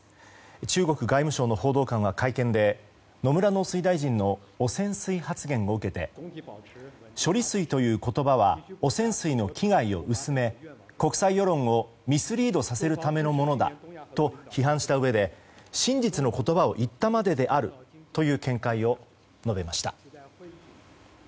中国外務省の報道官が会見で野村農水大臣の汚染水発言を受けて処理水という言葉は汚染水の危害を薄め国際世論をミスリードさせるためのものだと批判したうえで真実の言葉を言ったまでであるという見解を述べました。